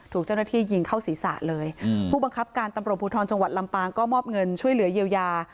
ถูกเจ้าหน้าที่ยิงเข้าศีรษะเลยผู้บังคับการตำรวจภูทรจังหวัดลำปางก็มอบเงินช่วยเหลือเยียวยา